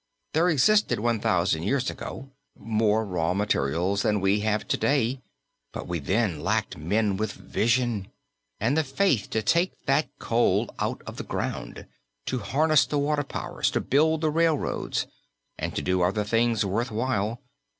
There existed one thousand years ago more raw materials than we have to day, but we then lacked men with a vision and the faith to take that coal out of the ground, to harness the water powers, to build the railroads and to do other things worth while.